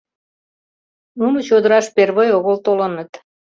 Нуно чодыраш первой огыл толыныт.